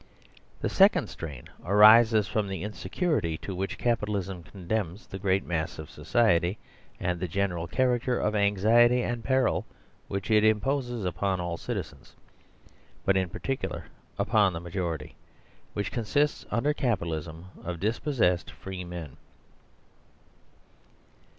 The second strain arises from the insecurity to which Capitalism condemns the great mass of society, and the general character of anxiety and peril which it imposes upon all citi zens, but in particular upon the majority, which con sists, under Capitalism, of dispossessed free men.